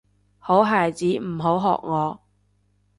好孩子唔好學我